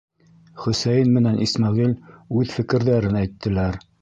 Хөсәйен менән Исмәғил үҙ фекерҙәрен әйттеләр: